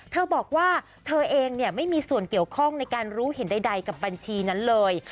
เธอบอกว่าเธอเองไม่มีส่วนเกี่ยวข้องในการรู้เห็นใดกับบัญชีนั้นเลย